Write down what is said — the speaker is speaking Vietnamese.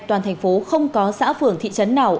toàn thành phố không có xã phường thị trấn nào